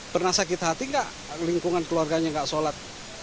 pernah sakit hati enggak lingkungan keluarganya tidak sholat